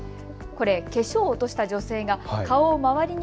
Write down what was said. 化粧を落とした女性が顔を周りに